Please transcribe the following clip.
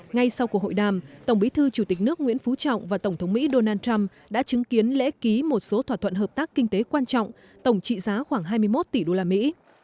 ngay sau cuộc hội đàm tổng bí thư chủ tịch nước nguyễn phú trọng và tổng thống mỹ donald trump đã chứng kiến lễ ký một số thỏa thuận hợp tác kinh tế quan trọng tổng trị giá khoảng hai mươi một tỷ đô la mỹ